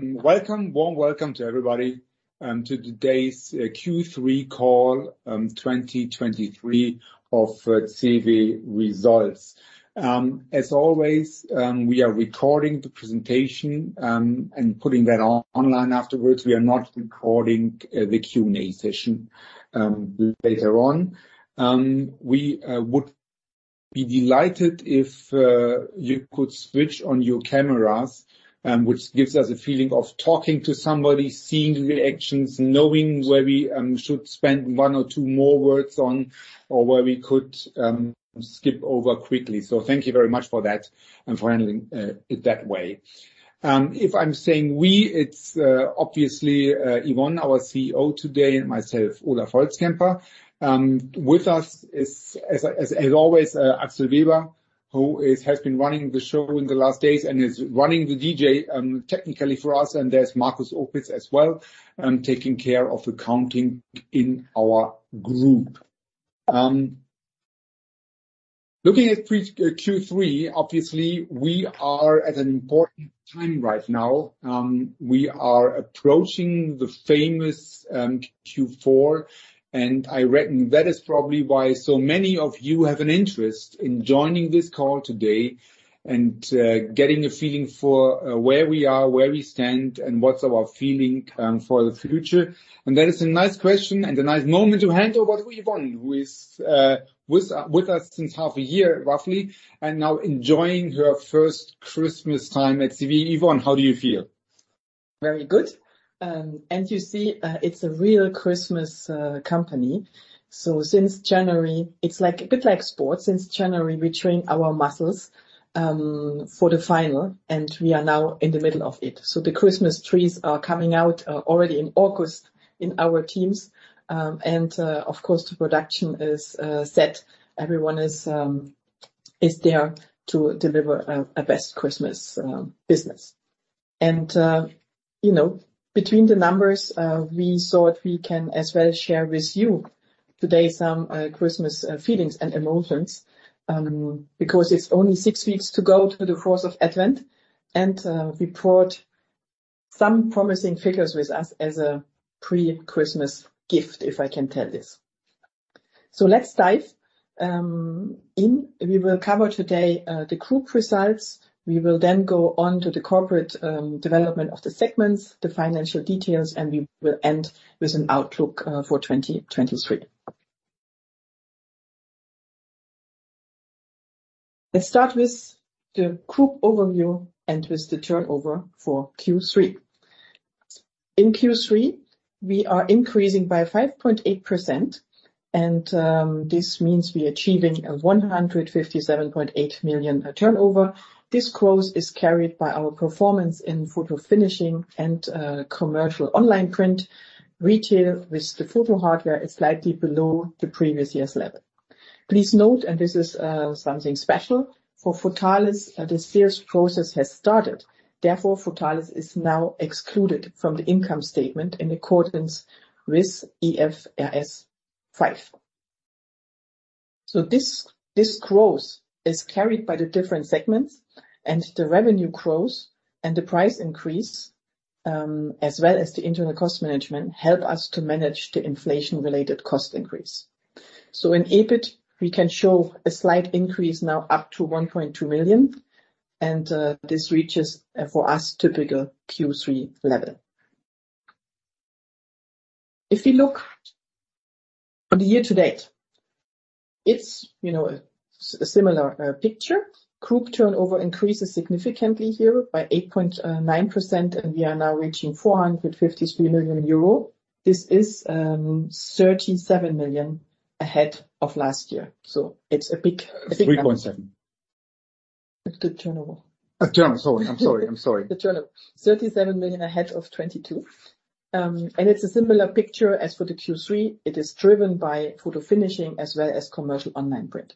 Welcome, warm welcome to everybody, to today's Q3 call, 2023 of CEWE results. As always, we are recording the presentation, and putting that online afterwards. We are not recording the Q&A session later on. We would be delighted if you could switch on your cameras, which gives us a feeling of talking to somebody, seeing the reactions, knowing where we should spend one or two more words on, or where we could skip over quickly. So thank you very much for that and for handling it that way. If I'm saying we, it's obviously Yvonne, our CEO today, and myself, Olaf Holzkämper. With us is, as always, Axel Weber, who has been running the show in the last days and is running the DJ technically for us, and there's Marcus Opitz as well, taking care of accounting in our group. Looking at Q3, obviously, we are at an important time right now. We are approaching the famous Q4, and I reckon that is probably why so many of you have an interest in joining this call today and getting a feeling for where we are, where we stand, and what's our feeling for the future. And that is a nice question and a nice moment to hand over to Yvonne, who is with us since half a year, roughly, and now enjoying her first Christmas time at CEWE. Yvonne, how do you feel? Very good. And you see, it's a real Christmas company. So since January. It's like, a bit like sports. Since January, we train our muscles for the final, and we are now in the middle of it. So the Christmas trees are coming out already in August in our teams. And, of course, the production is set. Everyone is there to deliver a best Christmas business. And, you know, between the numbers, we thought we can as well share with you today some Christmas feelings and emotions, because it's only six weeks to go through the course of Advent, and we brought some promising figures with us as a pre-Christmas gift, if I can tell this. So let's dive in. We will cover today the group results. We will then go on to the corporate development of the segments, the financial details, and we will end with an outlook for 2023. Let's start with the group overview and with the turnover for Q3. In Q3, we are increasing by 5.8%, and this means we are achieving a 157.8 million turnover. This growth is carried by our performance in Photofinishing and Commercial Online Print. Retail, with the photo hardware, is slightly below the previous year's level. Please note, and this is something special, for Futalis, the sales process has started. Therefore, Futalis is now excluded from the income statement in accordance with IFRS 5. So this growth is carried by the different segments, and the revenue growth and the price increase, as well as the internal cost management, help us to manage the inflation-related cost increase. So in EBIT, we can show a slight increase now up to 1.2 million, and this reaches, for us, typical Q3 level. If you look on the year to date, it's, you know, a similar picture. Group turnover increases significantly here by 8.9%, and we are now reaching 453 million euro. This is 37 million ahead of last year. So it's a big, a big number. 3.7 million. It's the turnover. Turnover. Sorry, I'm sorry. I'm sorry. The turnover. 37 million ahead of 2022. It's a similar picture as for the Q3. It is driven by Photofinishing as well as Commercial Online Print.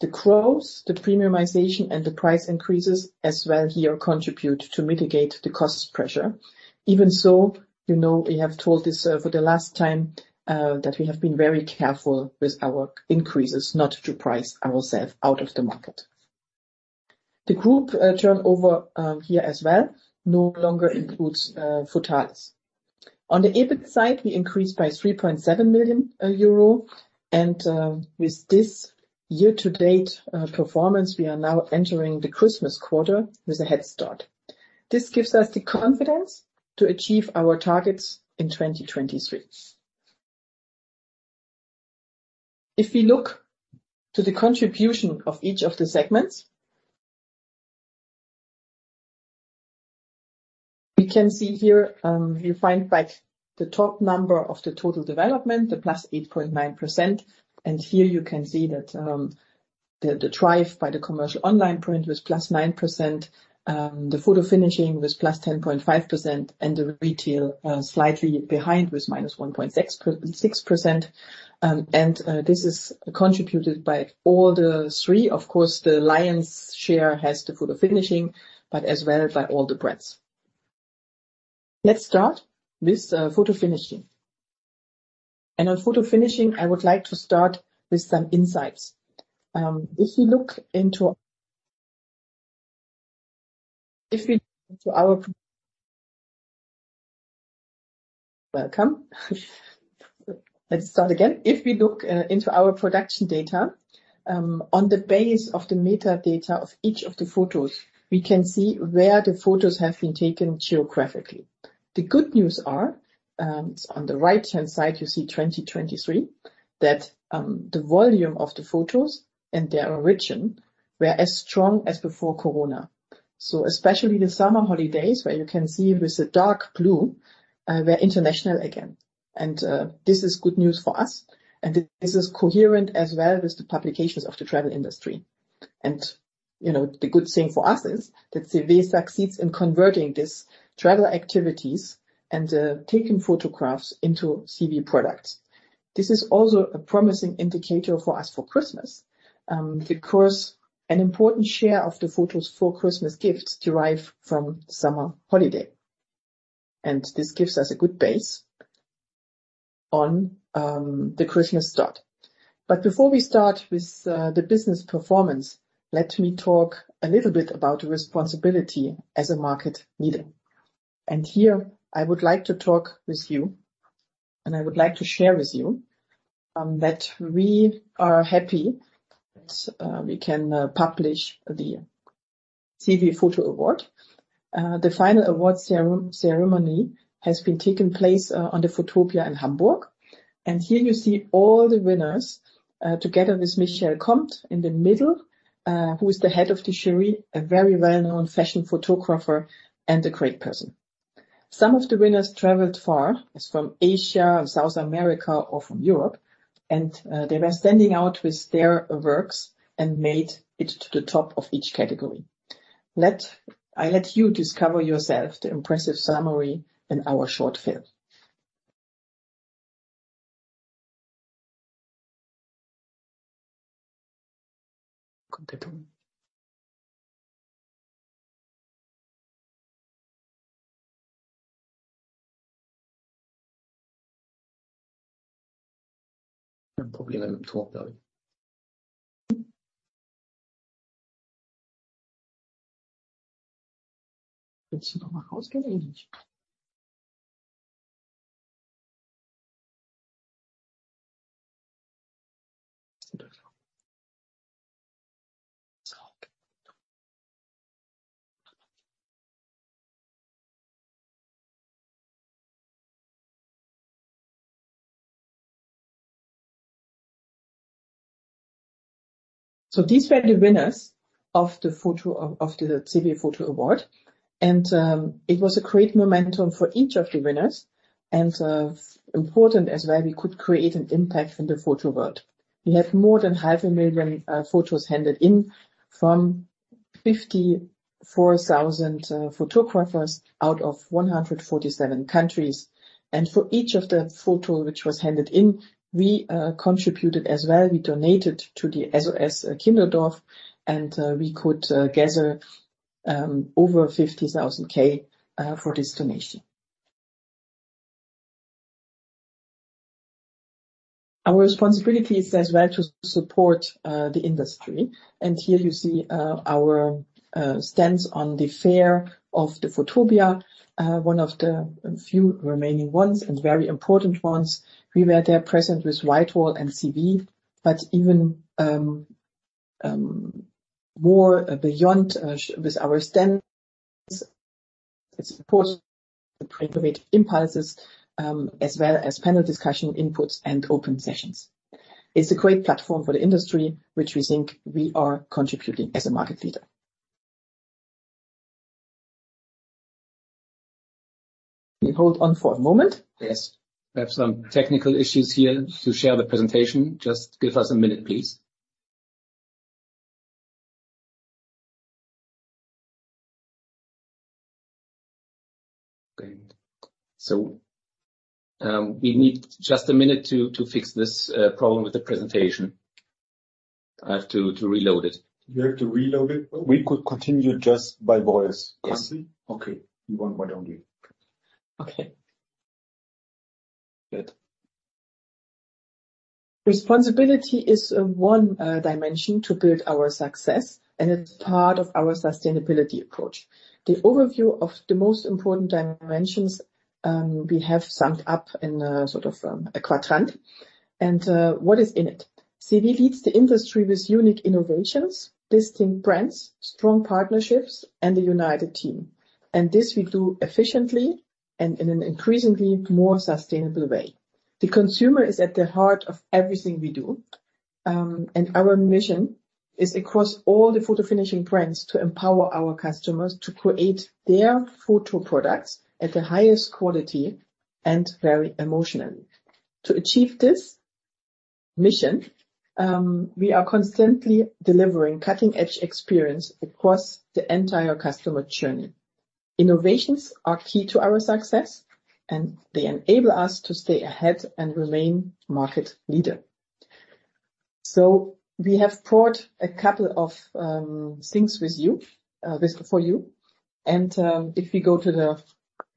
The growth, the premiumization, and the price increases as well here contribute to mitigate the cost pressure. Even so, you know, we have told this, for the last time, that we have been very careful with our increases, not to price ourselves out of the market. The group, turnover, here as well, no longer includes, Futalis. On the EBIT side, we increased by 3.7 million euro, and, with this year-to-date performance, we are now entering the Christmas quarter with a head start. This gives us the confidence to achieve our targets in 2023. If we look to the contribution of each of the segments, we can see here, you find back the top number of the total development, the +8.9%, and here you can see that, the drive by the Commercial Online Print was +9%, the Photofinishing was +10.5%, and the Retail, slightly behind was -1.66%. This is contributed by all three. Of course, the lion's share has the Photofinishing, but as well by all the brands. Let's start with Photofinishing. On Photofinishing, I would like to start with some insights. If you look into, If we, to our. Welcome. Let's start again. If we look into our production data, on the basis of the metadata of each of the photos, we can see where the photos have been taken geographically. The good news are, on the right-hand side, you see 2023, that, the volume of the photos and their origin were as strong as before Corona. So especially the summer holidays, where you can see with the dark blue, we're international again, and, this is good news for us, and this is coherent as well with the publications of the travel industry. And, you know, the good thing for us is that CEWE succeeds in converting these travel activities and, taking photographs into CEWE products. This is also a promising indicator for us for Christmas, because an important share of the photos for Christmas gifts derive from summer holiday, and this gives us a good base on the Christmas start. But before we start with the business performance, let me talk a little bit about responsibility as a market leader. Here I would like to talk with you, and I would like to share with you that we are happy that we can publish the CEWE Photo Award. The final award ceremony has been taken place on the Photopia in Hamburg, and here you see all the winners together with Michel Comte in the middle, who is the head of the jury, a very well-known fashion photographer and a great person. Some of the winners traveled far, as from Asia, South America, or from Europe, and, they were standing out with their works and made it to the top of each category. I let you discover yourself the impressive summary in our short film. Problem. [inaudible] So these were the winners of the CEWE Photo Award, and it was a great moment for each of the winners, and important as well, we could create an impact in the photo world. We have more than 500,000 photos handed in from 54,000 photographers out of 147 countries, and for each of the photo which was handed in, we contributed as well. We donated to the SOS-Kinderdorf, and we could gather over 50,000 for this donation. Our responsibility is as well to support the industry, and here you see our stand on the fair of the Photopia, one of the few remaining ones and very important ones. We were there present with WhiteWall and CEWE, but even, more beyond, with our stance, it's important to create impulses, as well as panel discussion inputs and open sessions. It's a great platform for the industry, which we think we are contributing as a market leader. Can you hold on for a moment? Yes. We have some technical issues here to share the presentation. Just give us a minute, please. Okay, so, we need just a minute to fix this problem with the presentation. I have to reload it. You have to reload it? We could continue just by voice. Yes. Okay. You want why don't you. Okay. Good. Responsibility is one dimension to build our success, and it's part of our sustainability approach. The overview of the most important dimensions, we have summed up in a sort of a quadrant, and what is in it? CEWE leads the industry with unique innovations, distinct brands, strong partnerships, and a united team, and this we do efficiently and in an increasingly more sustainable way. The consumer is at the heart of everything we do, and our mission is across all the Photofinishing brands to empower our customers to create their photo products at the highest quality and very emotionally. To achieve this mission, we are constantly delivering cutting-edge experience across the entire customer journey. Innovations are key to our success, and they enable us to stay ahead and remain market leader. So we have brought a couple of things with you, for you. If we go to the,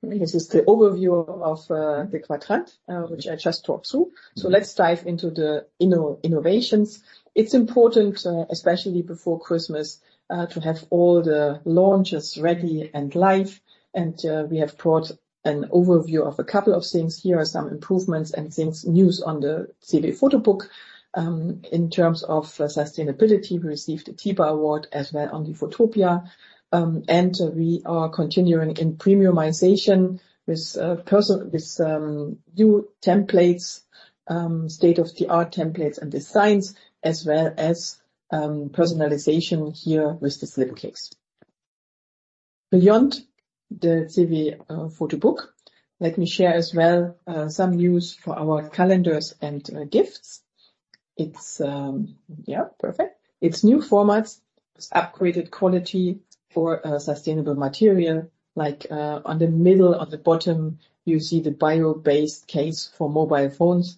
this is the overview of the quadrant, which I just talked through. So let's dive into the innovations. It's important, especially before Christmas, to have all the launches ready and live, and we have brought an overview of a couple of things. Here are some improvements and things, news on the CEWE Photo Book. In terms of sustainability, we received a TIPA Award as well on the Photopia. And we are continuing in premiumization with new templates, state-of-the-art templates and designs, as well as personalization here with the slipcase. Beyond the CEWE Photo Book, let me share as well some news for our calendars and gifts. It's yeah, perfect. It's new formats, it's upgraded quality for a sustainable material, like, on the middle of the bottom, you see the bio-based case for mobile phones.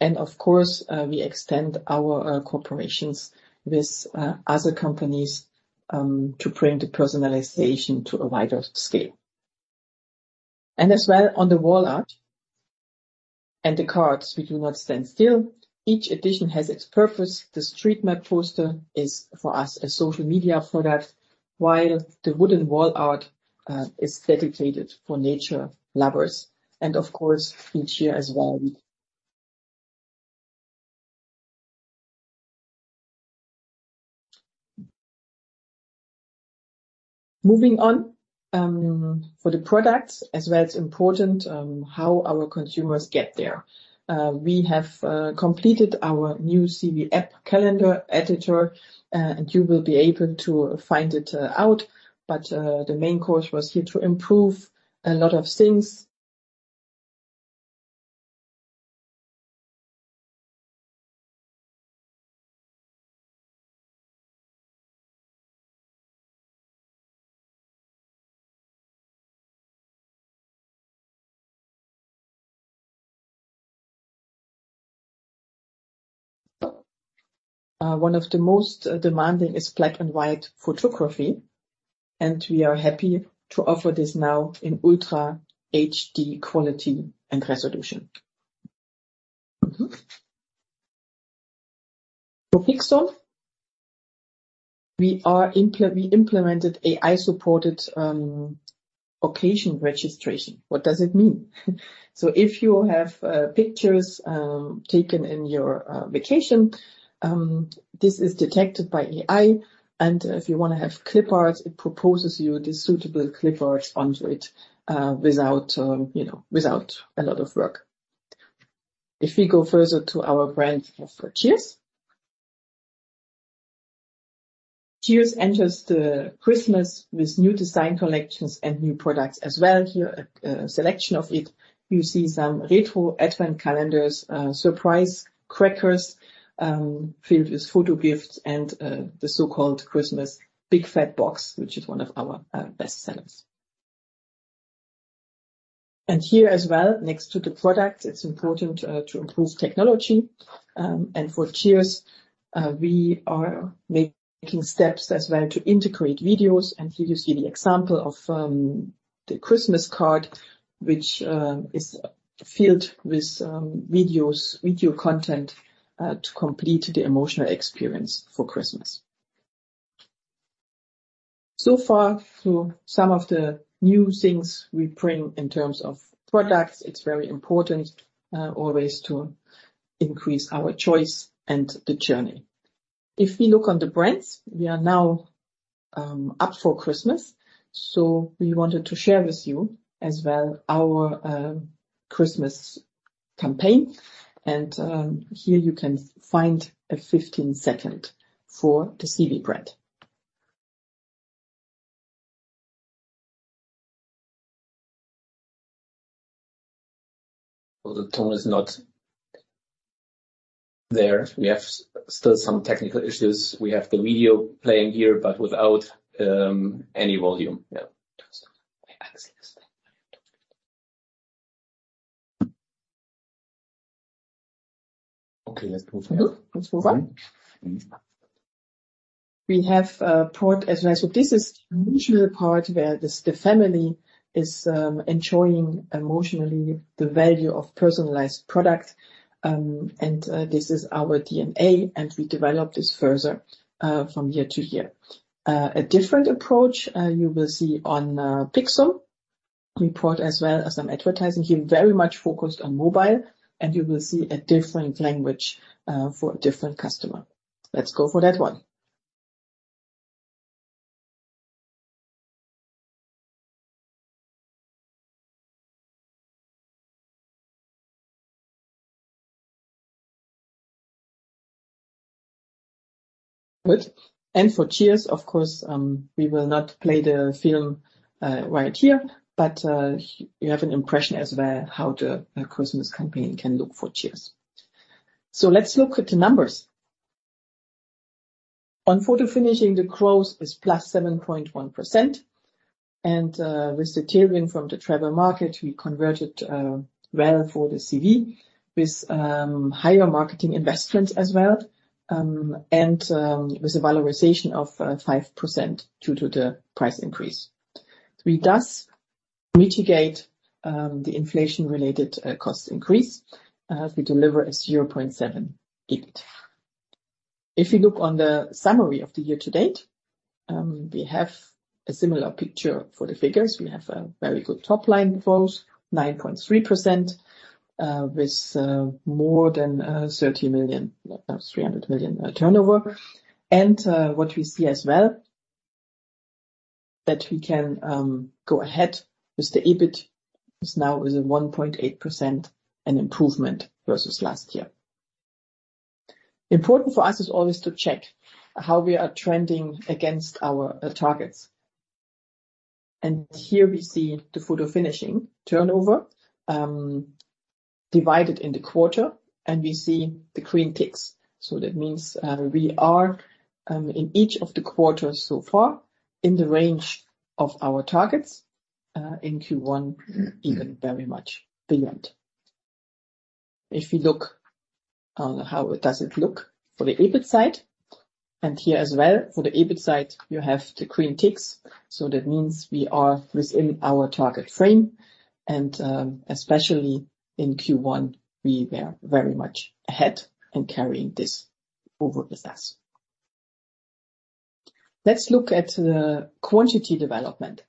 And of course, we extend our, cooperations with, other companies, to bring the personalization to a wider scale. And as well on the wall art and the cards, we do not stand still. Each edition has its purpose. The street map poster is, for us, a social media product, while the wooden wall art, is dedicated for nature lovers, and of course, each year as well. Moving on, for the products, as well, it's important, how our consumers get there. We have, completed our new CEWE app calendar editor, and you will be able to find it, out. But, the main course was here to improve a lot of things. One of the most demanding is black and white photography, and we are happy to offer this now in ultra HD quality and resolution. For Pixum, we implemented AI-supported occasion registration. What does it mean? So if you have pictures taken in your vacation, this is detected by AI, and if you want to have clip arts, it proposes you the suitable clip arts onto it, without you know, without a lot of work. If we go further to our brand of for CEWE. CEWE enters the Christmas with new design collections and new products as well. Here, a selection of it. You see some retro Advent calendars, surprise crackers, filled with photo gifts, and the so-called Christmas Big Fat Box, which is one of our best sellers. Here as well, next to the product, it's important to improve technology. And for CEWE, we are making steps as well to integrate videos, and here you see the example of the Christmas card, which is filled with videos, video content to complete the emotional experience for Christmas. So, some of the new things we bring in terms of products, it's very important always to increase our choice and the journey. If we look on the brands, we are now up for Christmas, so we wanted to share with you as well our Christmas campaign, and here you can find a 15-second for the CEWE brand. Well, the tone is not there. We have still some technical issues. We have the video playing here, but without any volume. Yeah. Okay, let's move on. Let's move on. We have brought as well. So this is the usual part where the family is enjoying emotionally the value of personalized product, and this is our DNA, and we develop this further from year to year. A different approach, you will see on Pixum. We brought as well as some advertising here, very much focused on mobile, and you will see a different language for a different customer. Let's go for that one. Good. And for CEWE, of course, we will not play the film right here, but you have an impression as well, how the Christmas campaign can look for CEWE. So let's look at the numbers. On Photofinishing, the growth is +7.1%, and with the tailwind from the travel market, we converted well for the CEWE with higher marketing investments as well, and with a valorization of 5% due to the price increase. We thus mitigate the inflation-related cost increase as we deliver a 0.7% EBIT. If you look on the summary of the year to date, we have a similar picture for the figures. We have a very good top line growth, 9.3%, with more than EUR 300 million turnover. And what we see as well, that we can go ahead with the EBIT, is now with a 1.8%, an improvement versus last year. Important for us is always to check how we are trending against our targets. Here we see the Photofinishing turnover, divided in the quarter, and we see the green ticks. So that means we are in each of the quarters so far, in the range of our targets, in Q1, even very much beyond. If you look on how it does it look for the EBIT side, and here as well, for the EBIT side, you have the green ticks, so that means we are within our target frame, and especially in Q1, we were very much ahead in carrying this over with us. Let's look at the quantity development.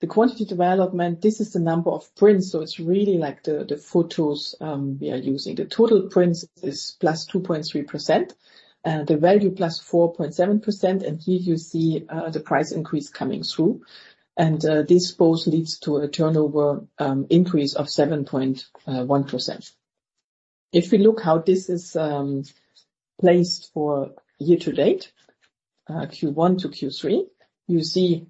The quantity development, this is the number of prints, so it's really like the photos we are using. The total prints is +2.3%, the value +4.7%, and here you see the price increase coming through, and this both leads to a turnover increase of 7.1%. If we look how this is placed for year to date, Q1 to Q3, you see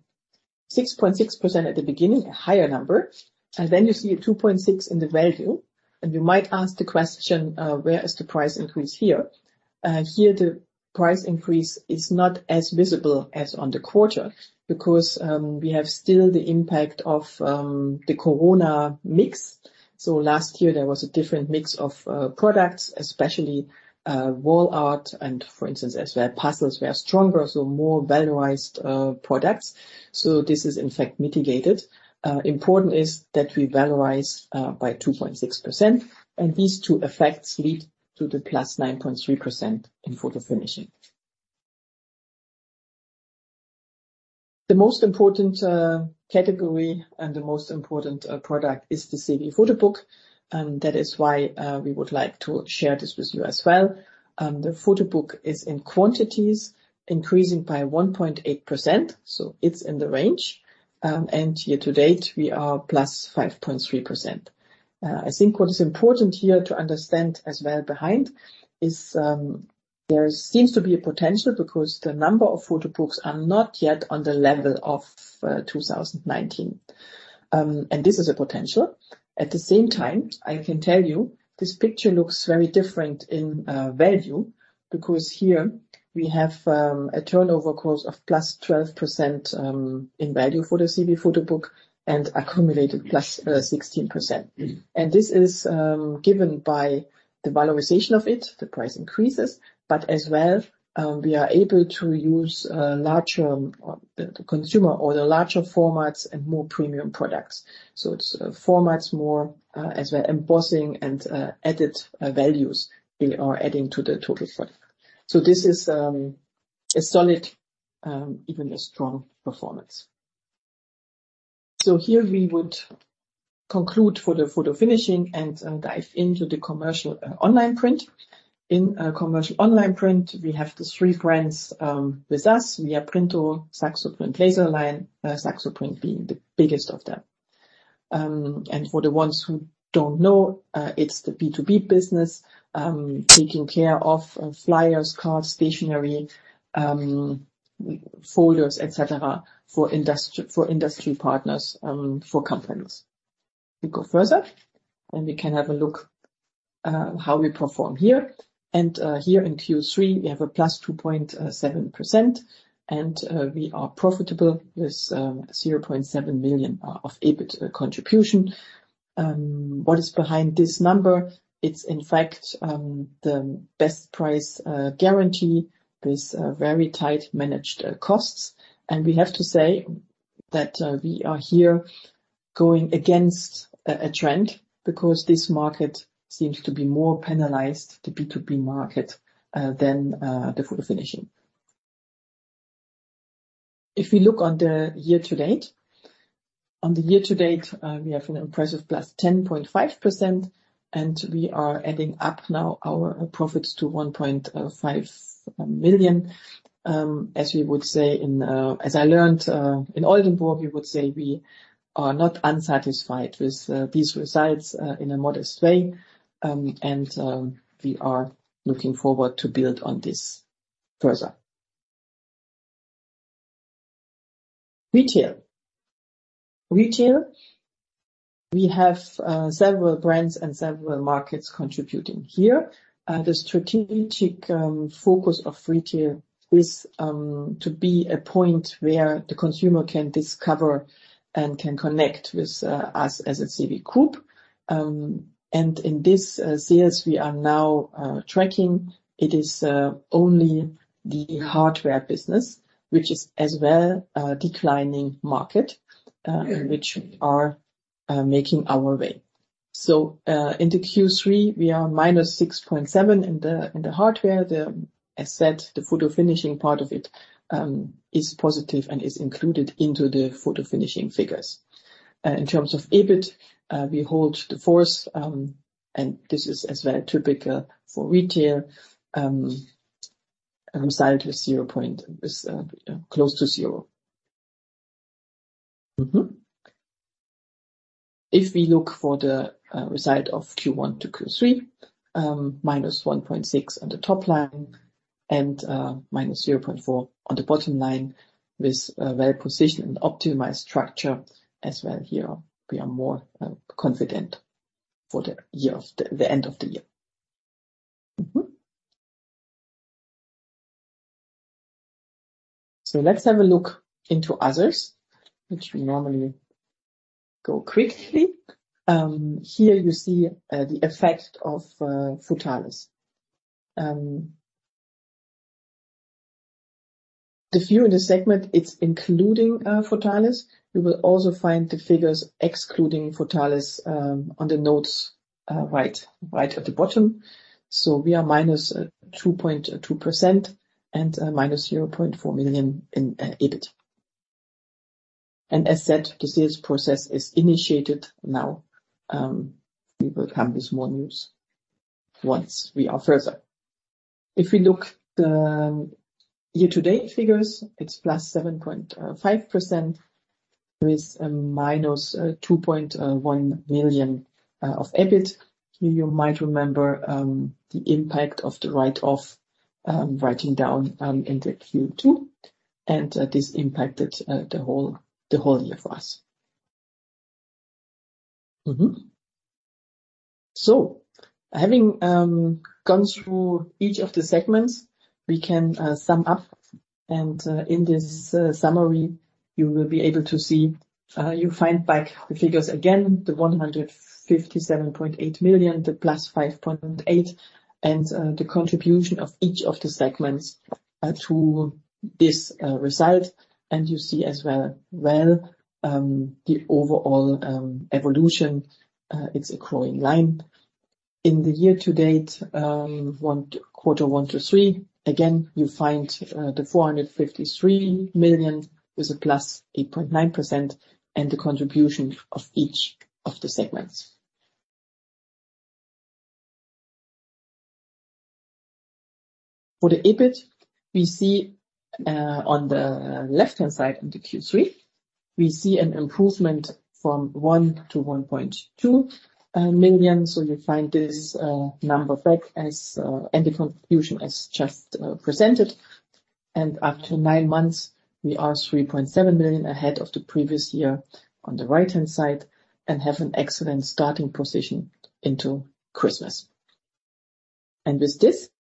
6.6% at the beginning, a higher number, and then you see a 2.6% in the value. And you might ask the question, where is the price increase here? Here, the price increase is not as visible as on the quarter, because we have still the impact of the corona mix. So last year there was a different mix of products, especially wall art and for instance, as well, puzzles were stronger, so more valorized products. So this is in fact mitigated. Important is that we valorize by 2.6%, and these two effects lead to the +9.3% in Photofinishing. The most important category and the most important product is the CEWE Photo Book, and that is why we would like to share this with you as well. The photo book is in quantities, increasing by 1.8%, so it's in the range. Year to date, we are +5.3%. I think what is important here to understand as well behind is, there seems to be a potential, because the number of photo books are not yet on the level of 2019, and this is a potential. At the same time, I can tell you, this picture looks very different in value, because here we have a turnover cost of +12% in value for the CEWE Photo Book and accumulated +16%. And this is given by the valorization of it, the price increases, but as well, we are able to use larger, the consumer or the larger formats and more premium products. So it's formats more, as we're embossing and edit values we are adding to the total product. So this is a solid, even a strong performance. So here we would conclude for the Photofinishing and dive into the Commercial Online Print. In Commercial Online Print, we have the three brands with us. We have viaprinto, Saxoprint, Laserline, Saxoprint being the biggest of them. For the ones who don't know, it's the B2B business, taking care of flyers, cards, stationery, folders, et cetera, for industry, for industry partners, for companies. We go further, and we can have a look, how we perform here. Here in Q3, we have a +2.7%, and we are profitable with 0.7 million of EBIT contribution. What is behind this number? It's in fact, the best price guarantee with very tight managed costs. We have to say that, we are here going against a trend, because this market seems to be more penalized, the B2B market, than the Photofinishing. If we look on the year to date, on the year to date, we have an impressive +10.5%, and we are adding up now our profits to 1.5 million. As we would say in, as I learned in Oldenburg, we would say we are not unsatisfied with these results in a modest way, and we are looking forward to build on this further. Retail. Retail, we have several brands and several markets contributing here. The strategic focus of Retail is to be a point where the consumer can discover and can connect with us as a CEWE Group. And in this series, we are now tracking. It is only the hardware business, which is as well declining market, which we are making our way. So into Q3, we are -6.7% in the hardware. As said, the Photofinishing part of it is positive and is included into the Photofinishing figures. In terms of EBIT, we hold the fort, and this is as well typical for Retail, result with 0%, close to 0%. If we look for the result of Q1 to Q3, -1.6% on the top line and -0.4% on the bottom line, with a very precise and optimized structure as well here, we are more confident for the year, of the end of the year. Mm-hmm. So let's have a look into others, which we normally go quickly. Here you see the effect of Futalis. The view in the segment, it's including Futalis. You will also find the figures excluding Futalis on the notes right, right at the bottom. So we are -2.2% and -0.4 million in EBIT. And as said, the sales process is initiated now. We will come with more news once we are further. If we look the year-to-date figures, it's +7.5%, with a -2.1 million of EBIT. You might remember the impact of the write-off writing down in the Q2, and this impacted the whole year for us. So having gone through each of the segments, we can sum up, and in this summary, you will be able to see you find back the figures again, the 157.8 million, the +5.8%, and the contribution of each of the segments to this result. And you see as well well the overall evolution, it's a growing line. In the year to date, quarter one to three, again, you find the 453 million with a +8.9%, and the contribution of each of the segments. For the EBIT, we see on the left-hand side, in the Q3, we see an improvement from 1 million to 1.2 million. So you find this number back as, and the contribution as just presented. And up to nine months, we are 3.7 million ahead of the previous year on the right-hand side, and have an excellent starting position into Christmas. And with this,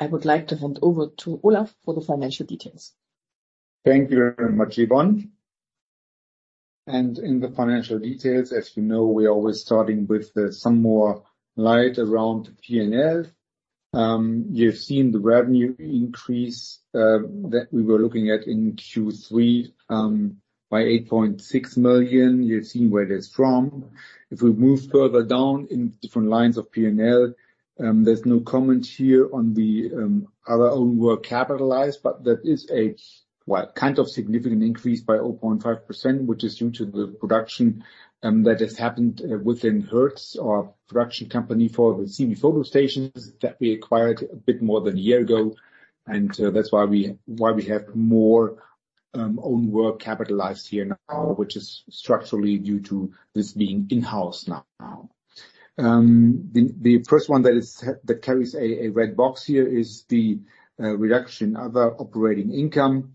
I would like to hand over to Olaf for the financial details. Thank you very much, Yvonne. In the financial details, as you know, we're always starting with some more light around P&L. You've seen the revenue increase that we were looking at in Q3 by 8.6 million. You've seen where it's from. If we move further down in different lines of P&L, there's no comment here on our own work capitalized, but that is a well, kind of significant increase by 0.5%, which is due to the production that has happened within Hertz, our production company, for the CEWE photo stations that we acquired a bit more than a year ago. That's why we, why we have more own work capitalized here now, which is structurally due to this being in-house now. The first one that carries a red box here is the reduction other operating income.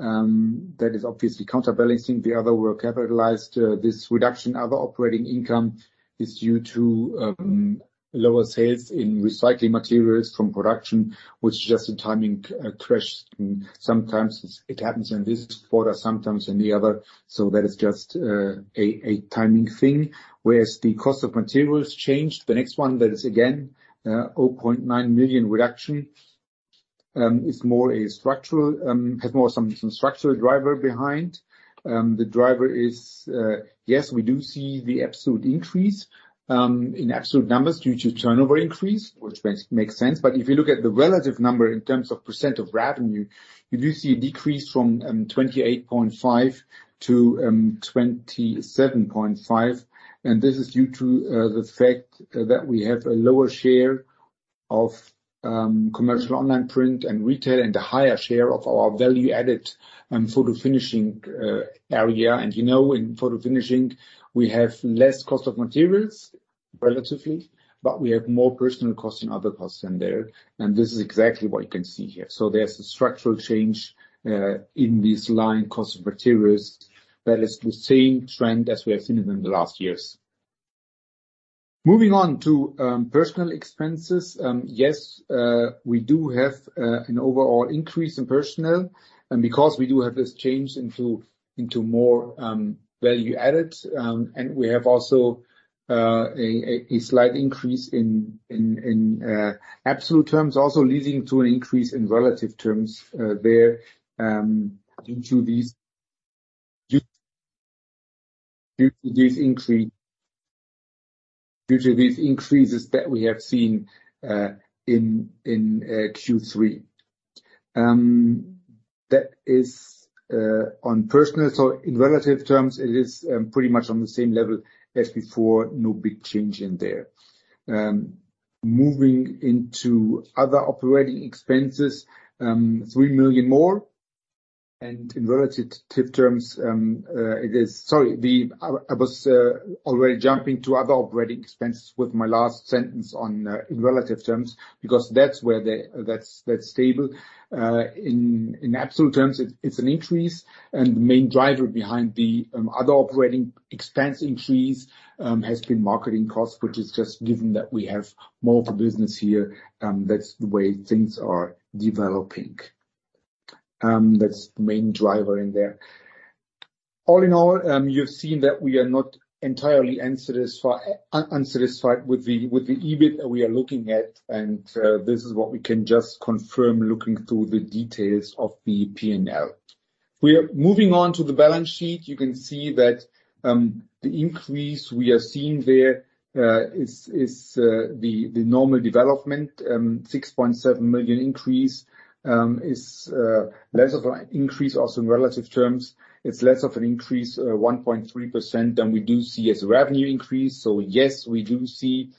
That is obviously counterbalancing. The other were capitalized. This reduction, other operating income, is due to lower sales in recycling materials from production, which just in timing, crashed. Sometimes it happens in this quarter, sometimes in the other, so that is just a timing thing. Whereas the cost of materials changed. The next one, that is again zero point nine million reduction, is more a structural, has more some, some structural driver behind. The driver is, yes, we do see the absolute increase in absolute numbers due to turnover increase, which makes sense. But if you look at the relative number in terms of percentage of revenue, you do see a decrease from 28.5% to 27.5%, and this is due to the fact that we have a lower share of Commercial Online Print and Retail, and a higher share of our value added and Photofinishing area. And, you know, in Photofinishing, we have less cost of materials relatively, but we have more personnel costs and other costs in there, and this is exactly what you can see here. So there's a structural change in this line, cost of materials. That is the same trend as we have seen it in the last years. Moving on to personnel expenses. Yes, we do have an overall increase in personnel, and because we do have this change into more value added, and we have also a slight increase in absolute terms, also leading to an increase in relative terms there into these due to this increase, due to these increases that we have seen in Q3. That is on personnel, so in relative terms, it is pretty much on the same level as before. No big change in there. Moving into other operating expenses, 3 million more, and in relative terms, it is, sorry, I was already jumping to other operating expenses with my last sentence on in relative terms, because that's where the, that's, that's stable. In absolute terms, it's an increase, and the main driver behind the other operating expense increase has been marketing costs, which is just given that we have more of a business here, that's the way things are developing. That's the main driver in there. All in all, you've seen that we are not entirely unsatisfied with the EBIT that we are looking at, and this is what we can just confirm, looking through the details of the P&L. We are moving on to the balance sheet. You can see that the increase we are seeing there is the normal development. 6.7 million increase is less of an increase also in relative terms. It's less of an increase, 1.3%, than we do see as revenue increase. So yes, we do see,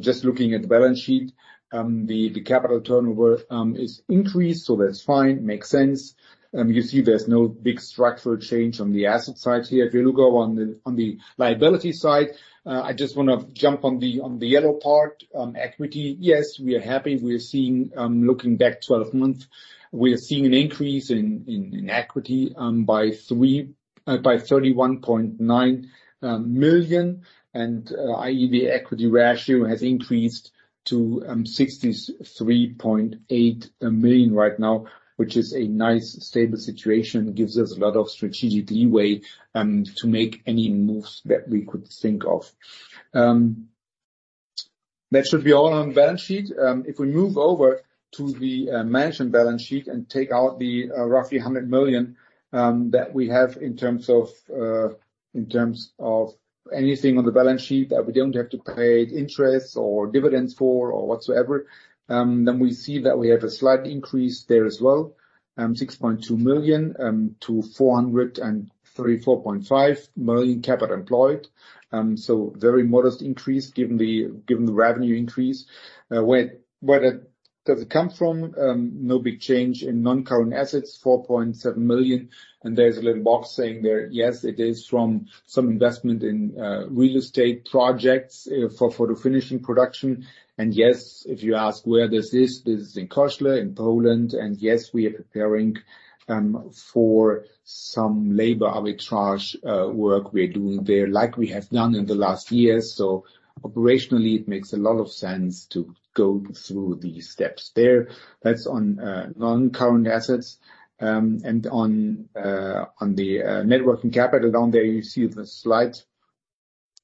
just looking at the balance sheet, the capital turnover is increased, so that's fine, makes sense. You see there's no big structural change on the asset side here. If you look on the liability side, I just wanna jump on the yellow part, on equity. Yes, we are happy. We are seeing, looking back 12 months, we are seeing an increase in equity by 31.9 million, and our equity ratio has increased to 63.8% right now, which is a nice, stable situation, gives us a lot of strategic leeway to make any moves that we could think of. That should be all on balance sheet. If we move over to the management balance sheet and take out the roughly 100 million that we have in terms of in terms of anything on the balance sheet that we don't have to pay interest or dividends for or whatsoever, then we see that we have a slight increase there as well, 6.2 million to 434.5 million capital employed. So very modest increase, given the given the revenue increase. Where, where does it come from? No big change in non-current assets, 4.7 million, and there's a little box saying there, yes, it is from some investment in real estate projects for Photofinishing production. And yes, if you ask, where does this? This is in Kozle, in Poland, and yes, we are preparing for some labor arbitrage work we are doing there, like we have done in the last years. So operationally, it makes a lot of sense to go through these steps there. That's on non-current assets. And on the net working capital down there, you see the slight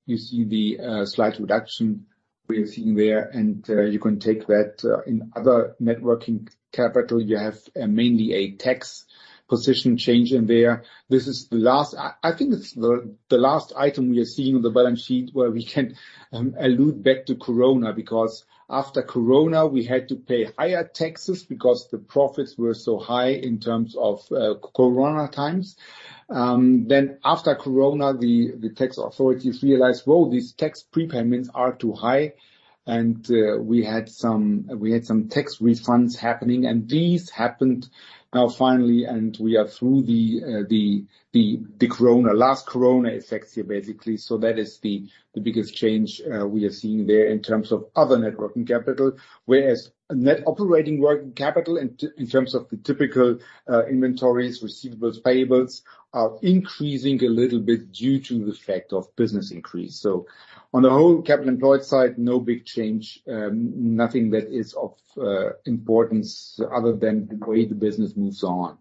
reduction we are seeing there, and you can take that in other net working capital. You have mainly a tax position change in there. This is the last. I think it's the last item we are seeing on the balance sheet where we can allude back to Corona, because after Corona, we had to pay higher taxes because the profits were so high in terms of Corona times. Then after Corona, the tax authorities realized, whoa, these tax prepayments are too high, and we had some tax refunds happening, and these happened now finally, and we are through the Corona, last Corona effects here, basically. So that is the biggest change we are seeing there in terms of other net working capital. Whereas net operating working capital in terms of the typical inventories, receivables, payables, are increasing a little bit due to the effect of business increase. So on the whole capital employed side, no big change, nothing that is of importance other than the way the business moves on.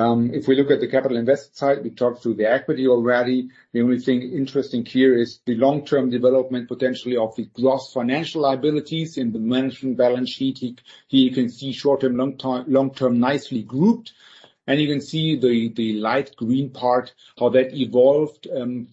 If we look at the capital investment side, we talked through the equity already. The only thing interesting here is the long-term development, potentially of the gross financial liabilities in the management balance sheet. Here you can see short-term, long-term, nicely grouped, and you can see the, the light green part, how that evolved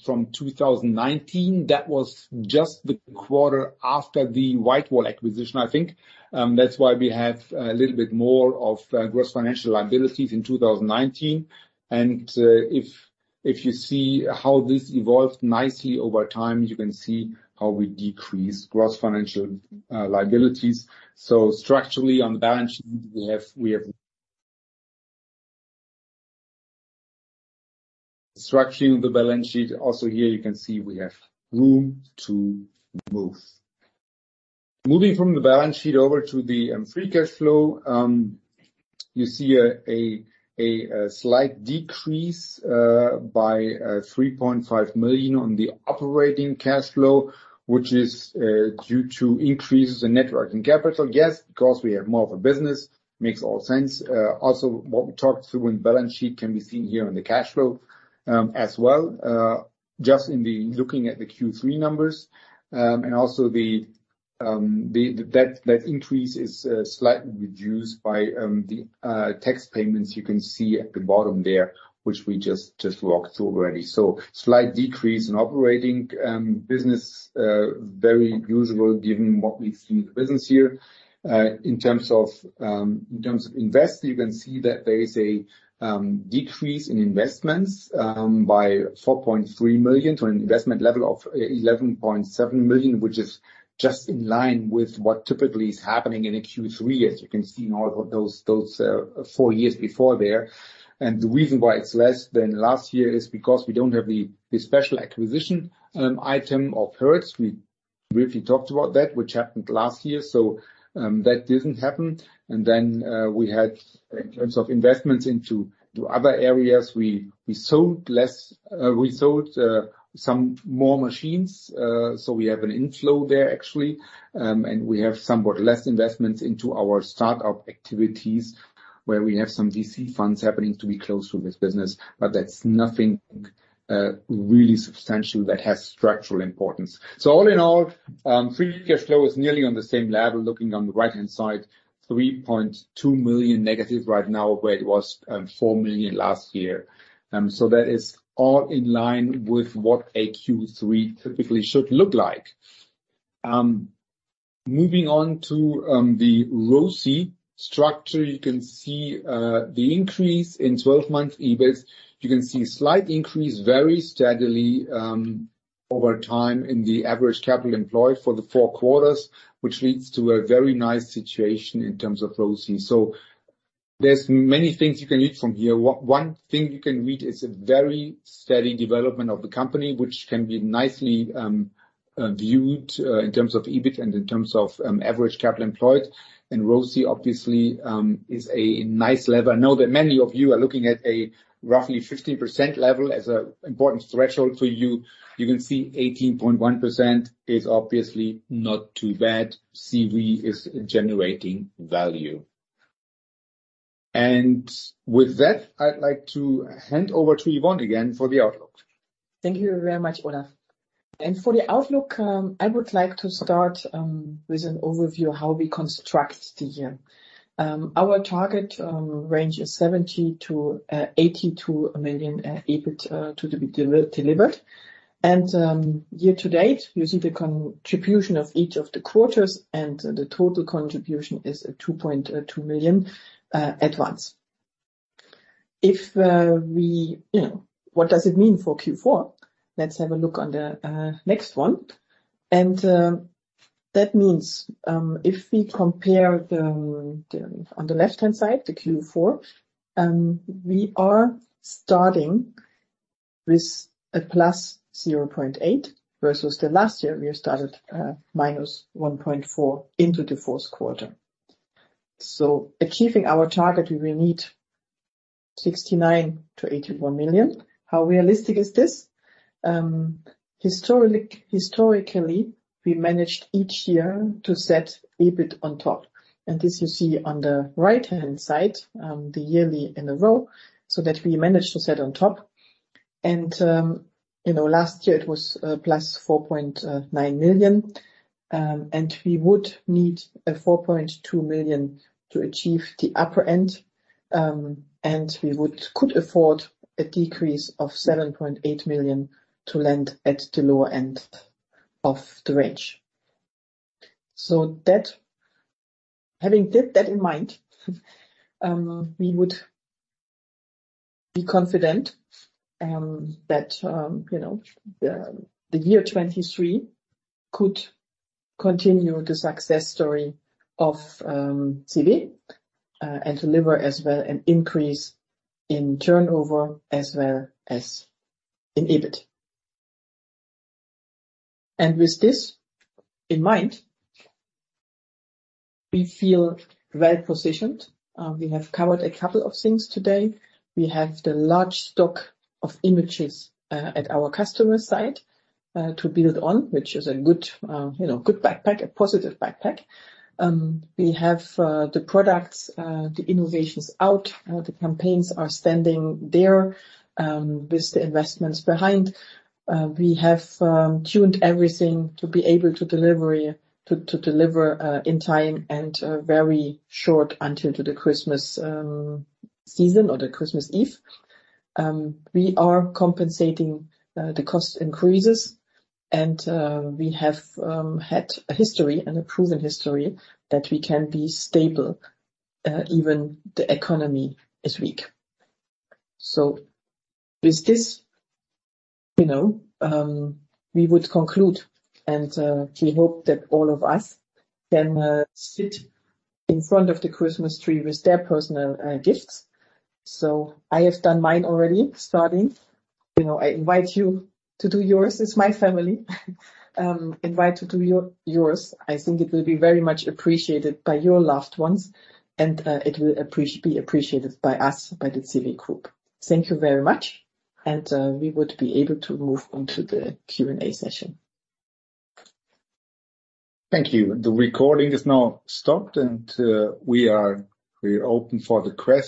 from 2019. That was just the quarter after the WhiteWall acquisition, I think. That's why we have a little bit more of gross financial liabilities in 2019. And if you see how this evolved nicely over time, you can see how we decrease gross financial liabilities. So structurally, on the balance sheet, we have structuring the balance sheet. Also here you can see we have room to move. Moving from the balance sheet over to the free cash flow, you see a slight decrease by 3.5 million on the operating cash flow, which is due to increases in net working capital. Yes, because we have more of a business, makes all sense. Also, what we talked through in balance sheet can be seen here in the cash flow as well. Just looking at the Q3 numbers, and also that increase is slightly reduced by the tax payments you can see at the bottom there, which we just walked through already. So slight decrease in operating business very usable given what we've seen in the business here. In terms of investments, you can see that there is a decrease in investments by 4.3 million to an investment level of 11.7 million, which is just in line with what typically is happening in a Q3, as you can see in all of those four years before there. And the reason why it's less than last year is because we don't have the special acquisition item of Hertz. We briefly talked about that, which happened last year, so that didn't happen. And then we had, in terms of investments into other areas, we sold some more machines, so we have an inflow there actually. And we have somewhat less investments into our start-up activities, where we have some VC funds happening to be close to this business, but that's nothing, really substantial that has structural importance. So all in all, free cash flow is nearly on the same level, looking on the right-hand side, 3.2 million negative right now, where it was 4 million last year. So that is all in line with what a Q3 typically should look like. Moving on to the ROCE structure, you can see the increase in 12-month EBIT. You can see a slight increase, very steadily, over time in the average capital employed for the four quarters, which leads to a very nice situation in terms of ROCE. So there's many things you can read from here. One thing you can read is a very steady development of the company, which can be nicely viewed in terms of EBIT and in terms of average capital employed. And ROCE, obviously, is a nice level. I know that many of you are looking at a roughly 15% level as an important threshold for you. You can see 18.1% is obviously not too bad. CEWE is generating value. And with that, I'd like to hand over to Yvonne again for the outlook. Thank you very much, Olaf. For the outlook, I would like to start with an overview of how we construct the year. Our target range is 70 million-82 million EBIT to be delivered. Year to date, you see the contribution of each of the quarters, and the total contribution is 2.2 million at once. If we, you know, what does it mean for Q4? Let's have a look on the next one. That means, if we compare the on the left-hand side, the Q4, we are starting with +0.8 million, versus the last year, we started -1.4 million into the fourth quarter. So achieving our target, we will need 69 million-81 million. How realistic is this? Historically, we managed each year to set EBIT on top, and this you see on the right-hand side, the yearly in a row, so that we managed to set on top. You know, last year it was +4.9 million, and we would need 4.2 million to achieve the upper end, and we could afford a decrease of 7.8 million to land at the lower end of the range. So that, having that in mind, we would be confident that, you know, the year 2023 could continue the success story of CEWE and deliver as well an increase in turnover as well as in EBIT. And with this in mind, we feel well positioned. We have covered a couple of things today. We have the large stock of images at our customer site to build on, which is a good, you know, good backpack, a positive backpack. We have the products, the innovations out, the campaigns are standing there with the investments behind. We have tuned everything to be able to delivery, to deliver in time and very short until to the Christmas season or the Christmas Eve. We are compensating the cost increases, and we have had a history, and a proven history, that we can be stable even the economy is weak. So with this, you know, we would conclude, and we hope that all of us can sit in front of the Christmas tree with their personal gifts. So I have done mine already, starting. You know, I invite you to do yours. It's my family. Invite you to do yours. I think it will be very much appreciated by your loved ones, and it will be appreciated by us, by the CEWE group. Thank you very much, and we would be able to move on to the Q&A session. Thank you. The recording is now stopped, and we're open for the quest.